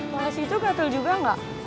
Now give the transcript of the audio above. kalau situ gatel juga gak